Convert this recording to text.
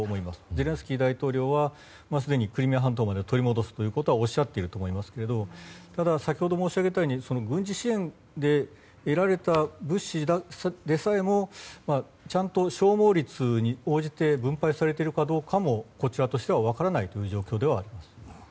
ゼレンスキー大統領は、すでにクリミア半島まで取り戻すということはおっしゃっていると思いますがただ先ほど申し上げたように軍事支援で得られた物資でさえもちゃんと消耗率に応じて分配されているかどうかもこちらとしては分からない状況です。